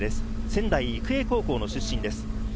仙台育英高校の出身です。